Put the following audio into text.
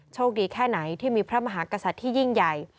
โชคดีแค่ไหนที่มีพระมหากษัตริย์ที่ยิ่งใหญ่